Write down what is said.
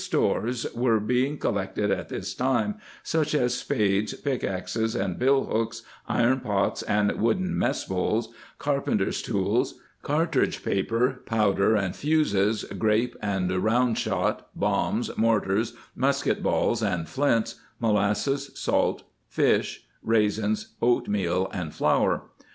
The Private Soldier Under Washington (|were being collected at this time, such as spades, pick axes and bill hooks, iron pots and wooden mess bowls, carpenters' tools, cartridge paper, powder and fuses, grape and round shot, bombs, mortars, musket balls and flints, molasses, salt fish, raisins, oatmeal, and flour.